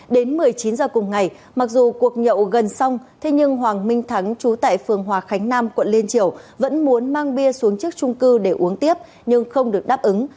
đến một mươi chín h cùng ngày mặc dù cuộc nhậu gần xong thế nhưng hoàng minh thắng chú tại phường hòa khánh nam quận liên triều vẫn muốn mang bia xuống trước trung cư để uống tiếp nhưng không được đáp ứng